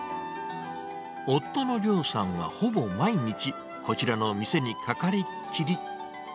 夫の亮さんはほぼ毎日、こちらの店にかかりっきり。